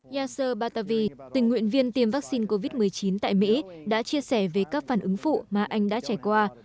yaser batavi tình nguyện viên tiêm vaccine covid một mươi chín tại mỹ đã chia sẻ về các phản ứng phụ mà anh đã trải qua